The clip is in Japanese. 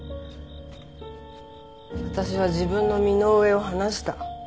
私は自分の身の上を話した。